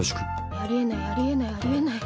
あり得ないあり得ないあり得ない。